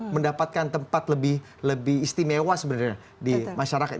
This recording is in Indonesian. mendapatkan tempat lebih istimewa sebenarnya di masyarakat